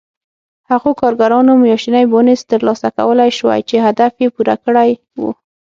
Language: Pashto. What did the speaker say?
هغو کارګرانو میاشتنی بونېس ترلاسه کولای شوای چې هدف یې پوره کړی و